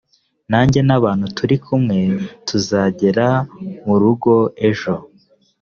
nanjye n’abantu turi kumwe tuzagera mu rugo ejo